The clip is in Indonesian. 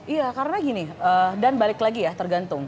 iya karena gini dan balik lagi ya tergantung